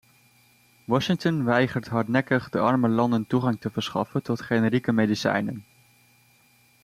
Washington weigert hardnekkig de arme landen toegang te verschaffen tot generieke medicijnen.